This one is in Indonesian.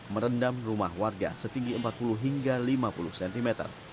merendam rumah warga setinggi empat puluh hingga lima puluh cm